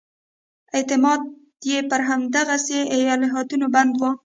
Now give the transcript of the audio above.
اعتقاد یې پر همدغسې الهیاتو بنا وي.